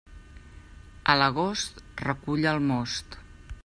A l'agost, recull el most.